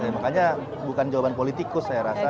makanya bukan jawaban politikus saya rasa